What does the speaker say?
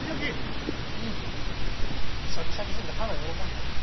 シャキシャキすぎて歯が喜んでる。